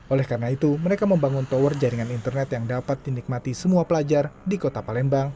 oleh karena itu mereka membangun tower jaringan internet yang dapat dinikmati semua pelajar di kota palembang